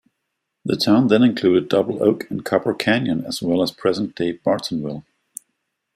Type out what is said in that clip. The town then included Double Oak and Copper Canyon, as well as present-day Bartonville.